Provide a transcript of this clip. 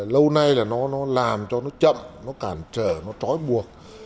lâu nay là nó làm cho nó chậm nó cản trở nó trói buộc